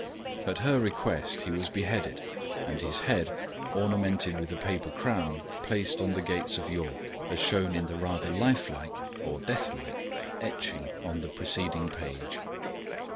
At her request he was beheaded, and his head, ornamented with a paper crown, placed on the gates of York, as shown in the rather life like or death like etching on the preceding page.